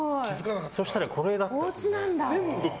そしたら、これだった。